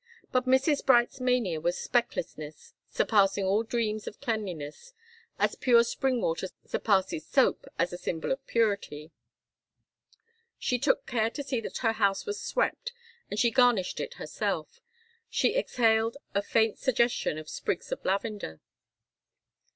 But Mrs. Bright's mania was specklessness surpassing all dreams of cleanliness, as pure spring water surpasses soap as a symbol of purity. She took care to see that her house was swept, and she garnished it herself. She exhaled a faint suggestion of sprigs of lavender.